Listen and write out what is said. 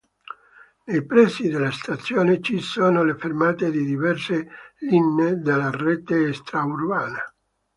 Nei pressi della stazione ci sono le fermate di diverse linee della rete extraurbana.